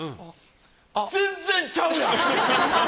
全然ちゃうやん！